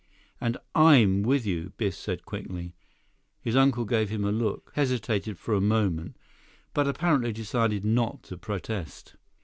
"And I'm with you," Biff said quickly. His uncle gave him a look, hesitated for a moment, but apparently decided not to protest.